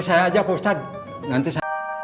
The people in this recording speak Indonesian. saya aja pak ustadz